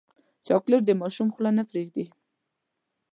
چاکلېټ د ماشوم خوله نه پرېږدي.